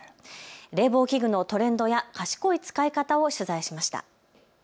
冷房器具のトレンドや賢い使い方を取材しました。